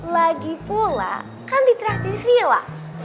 lagi pula kan ditraksi sila